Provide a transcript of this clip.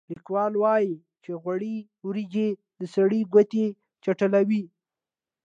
لیکوال وايي چې غوړې وریجې د سړي ګوتې چټلوي.